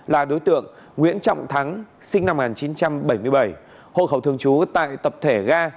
là đối tượng nguyễn trọng thắng sinh năm một nghìn chín trăm bảy mươi bảy hộ khẩu thường trú tại tập thể ga